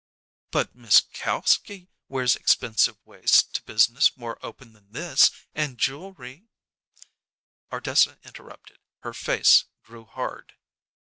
"But Miss Kalski wears expensive waists to business more open than this, and jewelry " Ardessa interrupted. Her face grew hard.